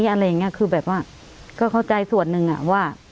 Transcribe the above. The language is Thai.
อะไรอย่างเงี้ยคือแบบว่าก็เข้าใจส่วนหนึ่งอ่ะว่า